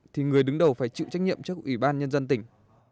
thì người đứng đầu phải chịu trách nhiệm trước ủy ban nhân dân tỉnh